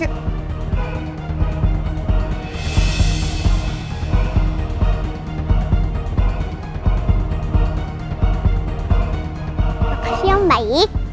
dikasih orang baik